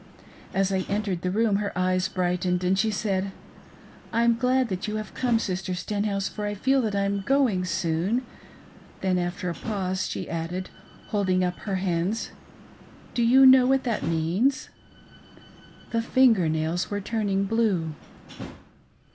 As I entered the room, her eyes brightened, and she said :" I'm glad that you have come. Sister gtenhouse, for I feel that I am going soon. Then, after a pause, she added, holding up her hands —" Do you know what that means ,'" The finger nails were turning blue.